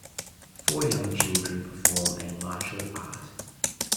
Four young children perform a martial art.